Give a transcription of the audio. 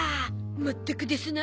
まったくですな。